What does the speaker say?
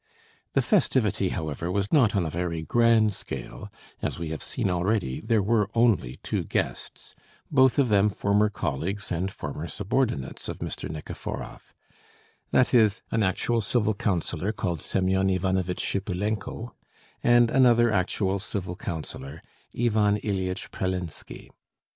The festivity, however, was not on a very grand scale; as we have seen already, there were only two guests, both of them former colleagues and former subordinates of Mr. Nikiforov; that is, an actual civil councillor called Semyon Ivanovitch Shipulenko, and another actual civil councillor, Ivan Ilyitch Pralinsky.